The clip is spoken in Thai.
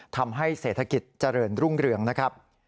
ทำให้เศรษฐกิจเจริญรุ่งเรืองนะครับ